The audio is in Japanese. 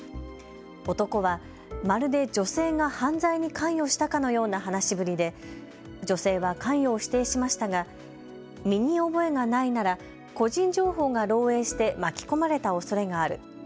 男は、まるで女性が犯罪に関与したかのような話しぶりで女性は関与を否定しましたが身に覚えがないなら個人情報が漏えいして巻き込まれたおそれがある。